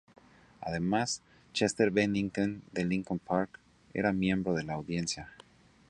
Además, Chester Bennington de Linkin Park era miembro de la audiencia.